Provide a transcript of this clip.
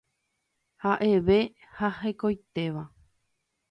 Ha'eve ha hekoitéva.